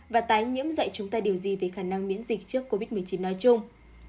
và tái nhiễm dạy chúng ta điều gì về khả năng miễn dịch trước covid một mươi chín nói chung